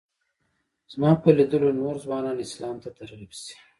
زما په لیدلو نور ځوانان اسلام ته ترغیب شي.